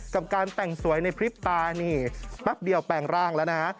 กับการแต่งสวยในพริบตานี่แป๊บเดียวแปลงร่างแล้วนะฮะ